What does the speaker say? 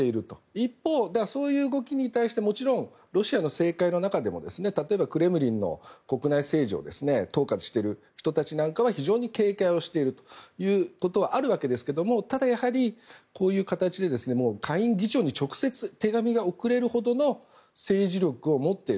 一方、そういう動きに対してもちろんロシアの政界の中でも例えば、クレムリンの国内政治を統括している人たちなんかは非常に警戒をしているということはあるわけですがただやはり、こういう形で下院議長に直接手紙が送れるほどの政治力を持っている。